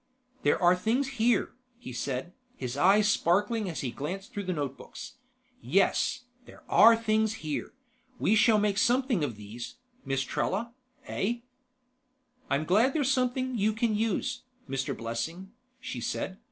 "There are things here," he said, his eyes sparkling as he glanced through the notebooks. "Yes, there are things here. We shall make something of these, Miss Trella, eh?" "I'm glad they're something you can use, Mr. Blessing," she said.